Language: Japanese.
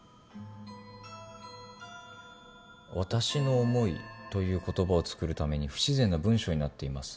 「わたしのおもい」という言葉を作るために不自然な文章になっています。